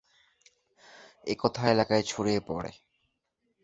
এ কথা এলাকায় ছড়িয়ে পড়ে।